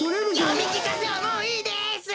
よみきかせはもういいです！